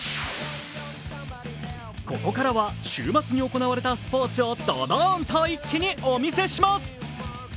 ここからは週末に行われたスポーツをどどんと一気にお見せします。